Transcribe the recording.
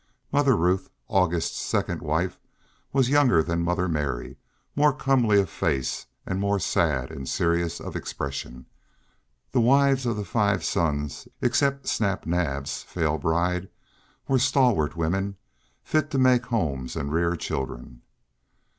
Mother Ruth, August's second wife, was younger than Mother Mary, more comely of face, and more sad and serious of expression. The wives of the five sons, except Snap Naab's frail bride, were stalwart women, fit to make homes and rear children.